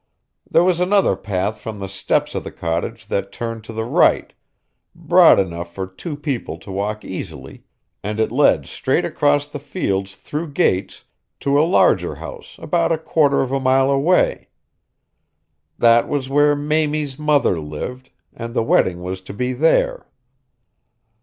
There was another path from the steps of the cottage that turned to the right, broad enough for two people to walk easily, and it led straight across the fields through gates to a larger house about a quarter of a mile away. That was where Mamie's mother lived, and the wedding was to be there.